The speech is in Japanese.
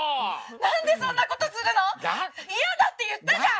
何でそんなことするの⁉嫌だって言ったじゃん！